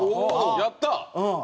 やったー！